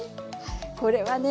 これはね